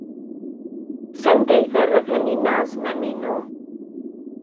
Sanda ay terra Taninna azmam-inu?